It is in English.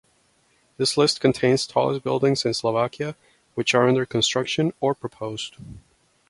This list contains tallest buildings in Slovakia which are under construction or proposed.